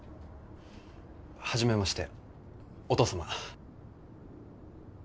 初めましてお父様。